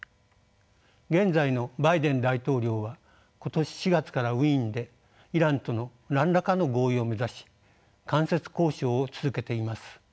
現在のバイデン大統領は今年４月からウィーンでイランとの何らかの合意を目指し間接交渉を続けています。